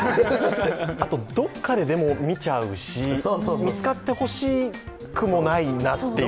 あと、どこかで見ちゃうし見つかってほしくもないなっていう。